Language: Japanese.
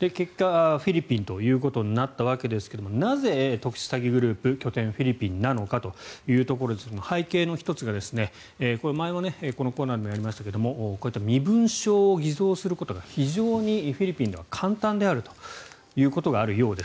結果、フィリピンということになったわけですがなぜ、特殊詐欺グループ拠点がフィリピンなのかということですが背景の１つが、前もこのコーナーでもやりましたがこういった身分証を偽造することが非常にフィリピンでは簡単であるということがあるようです。